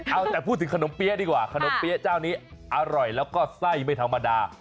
เอาแต่พูดถึงขนมเปี๊ยะดีกว่าขนมเปี๊ยะเจ้านี้อร่อยแล้วก็ไส้ไม่ธรรมดา